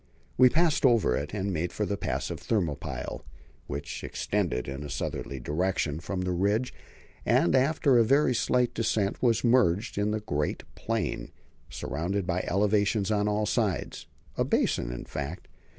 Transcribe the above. We passed over it and made for the pass of Thermopylae, which extended in a southerly direction from the ridge and after a very slight descent was merged in a great plain, surrounded by elevations on all sides a basin, in fact.